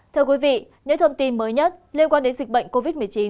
thưa quý vị những thông tin mới nhất liên quan đến dịch bệnh covid một mươi chín